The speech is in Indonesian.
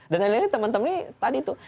dan lain lainnya teman teman ini tadi tuh